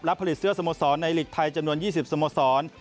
ผลิตเสื้อสโมสรในหลีกไทยจำนวน๒๐สโมสร